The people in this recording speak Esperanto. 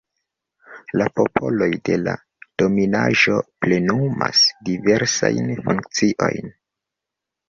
La popoloj de la dominaĵo plenumas diversajn funkciojn.